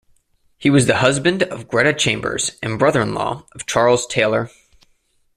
He was the husband of Gretta Chambers and brother-in-law of Charles Taylor.